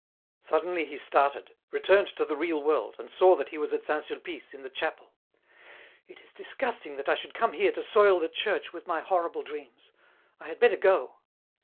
Suddenly he started, returned to the real world, and saw that he was at St. Sulpice, in the chapel. " It is disgusting that I should come here to soil the church with my horrible dreams ; I had better go."